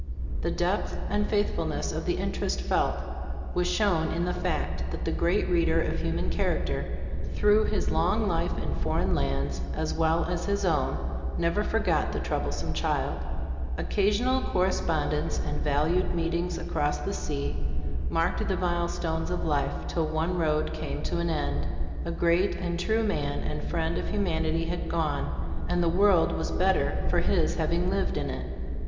The depth and faithfulness of the interest felt, was shown in the fact that the great reader of human character, through his long life in foreign lands as well as his own, never forgot the troublesome child. Occasional cor Gbe Storg of As CbiU>boo& 1 1 5 respondence and valued meetings across the sea marked the milestones of life, till one road came to an end. A great and true man and friend of humanity had gone, and the world was better for his having lived in it.